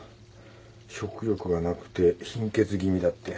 食欲がなくて貧血気味だって。